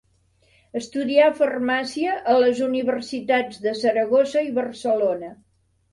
Estudià farmàcia a les universitats de Saragossa i Barcelona.